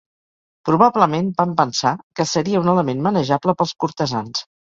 Probablement van pensar que seria un element manejable pels cortesans.